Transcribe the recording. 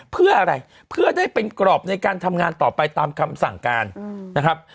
เพื่ออะไรเพื่อได้เป็นกรอบในการทำงานต่อไปตามคำสั่งการนะครับ